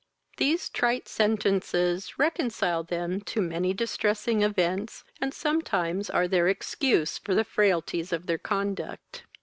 These trite sentences reconcile them to many distressing events, and sometimes are their excuse for the frailties of their conduct.